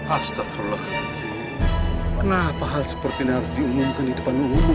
astagfirullah kenapa hal seperti ini harus diumumkan di depan umum pak haji